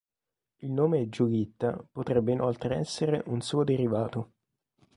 Il nome Giulitta potrebbe inoltre essere un suo derivato.